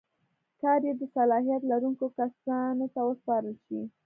کار یې د صلاحیت لرونکو کسانو ته وسپارل شي.